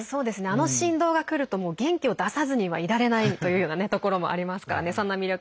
あの振動がくると元気を出さずにはいられないというようなところもありますからね。